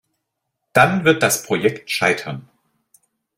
Dann wird das Projekt scheitern.